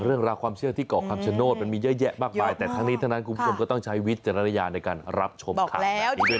เรื่องราวความเชื่อที่เกาะคำชโนธมันมีเยอะแยะมากมายแต่ทั้งนี้ทั้งนั้นคุณผู้ชมก็ต้องใช้วิจารณญาณในการรับชมข่าวแบบนี้ด้วย